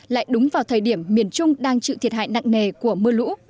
lại đúng vào thời điểm miền trung đang chịu thiệt hại nặng nề của mưa lũ